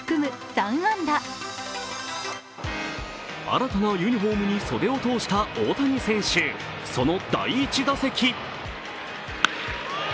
新たなユニフォームに袖を通した大谷選手、その第１打席。